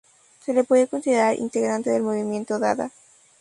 Se le puede considerar integrante del movimiento dada.